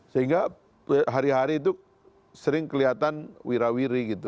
sehingga hari hari itu sering kelihatan wira wiri gitu